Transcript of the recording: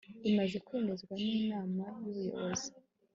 imaze kwemezwa n inama y ubuyobozi